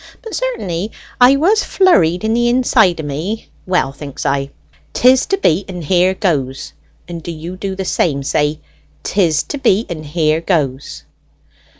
But certainly, I was flurried in the inside o' me. Well, thinks I, 'tis to be, and here goes! And do you do the same: say, ''Tis to be, and here goes!'"